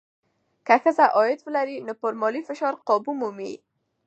که ښځه عاید ولري، نو پر مالي فشار قابو مومي.